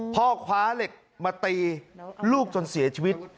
พ่อคว้าเหล็กมาตีลูกจนเสียชีวิต